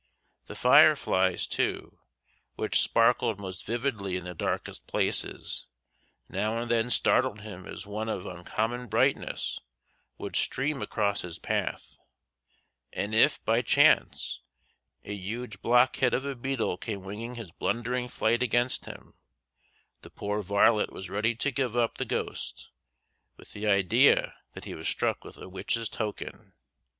The fire flies, too, which sparkled most vividly in the darkest places, now and then startled him as one of uncommon brightness would stream across his path; and if, by chance, a huge blockhead of a beetle came winging his blundering flight against him, the poor varlet was ready to give up the ghost, with the idea that he was struck with a witch's token.